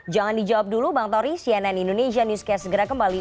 jangan dijawab dulu bang tori cnn indonesia newscast segera kembali